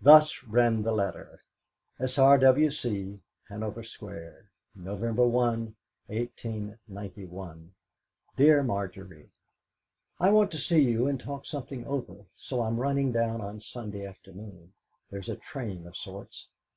Thus ran the letter: "S.R.W.C., HANOVER SQUARE, "November 1, 1891. "DEAR MARGERY, "I want to see you and talk something over, so I'm running down on Sunday afternoon. There is a train of sorts.